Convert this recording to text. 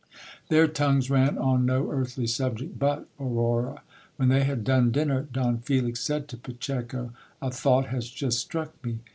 Their tongues ran on no earthly subject but Aurora. When they had done dinner, Don Felix said to Pacheco— A thought has just struck me.